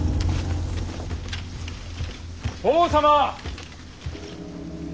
法皇様！